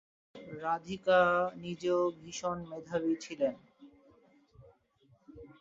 রাধিকা নিজেও ভীষণ মেধাবী ছিলেন।